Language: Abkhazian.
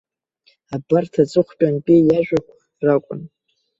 Абарҭ аҵыхәтәантәи иажәақәа ракәын.